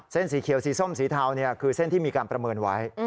สีเขียวสีส้มสีเทาคือเส้นที่มีการประเมินไว้